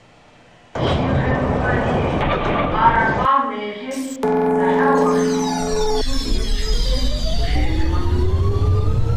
შილღეჼ მუქარ ჲიეჼ, არაყა́ მელ'ენი̆, დაჰ̦ა ვახიჼ, ჩუ ლი́ფჩვისეჼ კუშე́ტკმაქ.